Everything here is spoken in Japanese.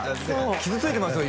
傷ついてますよ